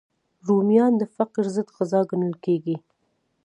رومیان د فقر ضد غذا ګڼل کېږي